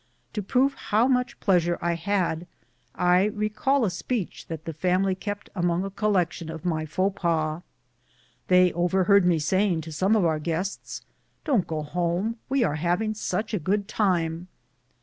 To prove how much pleasure I had, I recall a speech that the family kept among a collection of mj faux jpas. They overheard me saying to some of our guests, " Don't go home, we are having such a good time."